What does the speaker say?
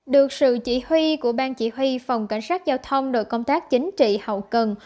được sự chỉ huy của ban chỉ huy phòng cảnh sát giao thông đội cảnh sát chính trị hậu cần